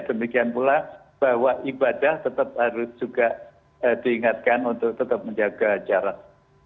demikian pula bahwa ibadah tetap harus juga diingatkan untuk tetap menjaga jarak